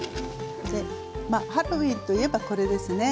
ハロウィーンといえばこれですね。